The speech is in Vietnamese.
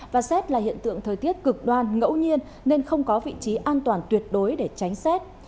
và xét là hiện tượng thời tiết cực đoan ngẫu nhiên nên không có vị trí an toàn tuyệt đối để tránh xét